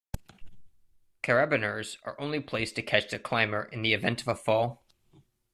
Carabiners are only placed to catch the climber in the event of a fall.